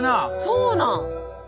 そうなん！